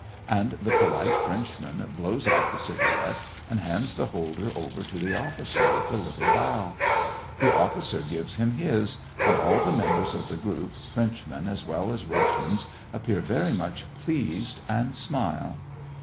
And the polite Frenchman blows out the cigarette, and hand^ the holder over to the officer with a little bow. The officer gives him his, and all the members of the group, French men as well as Russians, appear very much pleased and smile.